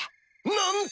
なんと！